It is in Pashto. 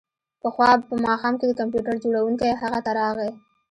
پخوا په ماښام کې د کمپیوټر جوړونکی هغه ته راغی